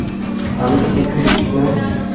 আমি তো কিছুই দেখছি না।